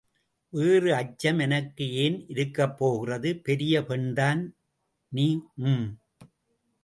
வேறு அச்சம் எனக்கு ஏன் இருக்கப் போகிறது? பெரிய பெண்தான் நீ ஊஹம்.